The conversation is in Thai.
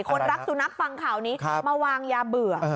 คนรักสุนัขฟังข่าวนี้มาวางยาเบื่อ